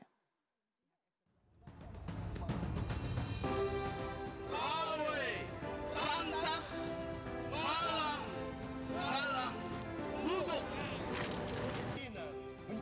konsep pertahanan rakyat semestera